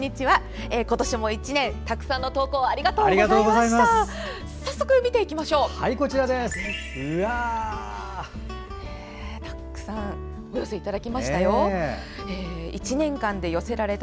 今年も１年たくさんの投稿ありがとうございました。